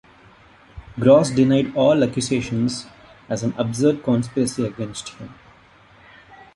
Gross denied all accusations as an absurd conspiracy against him.